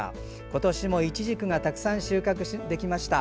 今年もいちじくがたくさん収穫できました。